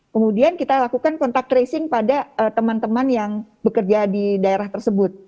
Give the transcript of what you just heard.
kemudian kita lakukan kontak tracing pada teman teman yang bekerja di daerah tersebut